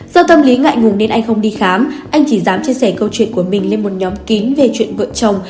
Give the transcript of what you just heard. do tâm lý ngại ngùng nên anh không đi khám anh chỉ dám chia sẻ câu chuyện của mình lên một nhóm kín về chuyện vợ chồng